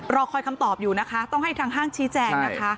รอคอยคำตอบอยู่นะคะต้องให้ทางห้างชี้แจงนะคะ